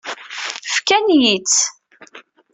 Fkan-iyi-tt.